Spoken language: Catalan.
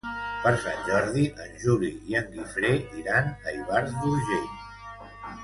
Per Sant Jordi en Juli i en Guifré iran a Ivars d'Urgell.